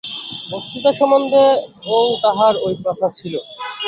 বক্তৃতা সম্বন্ধেও তাঁহার ঐ প্রথা ছিল।